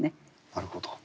なるほど。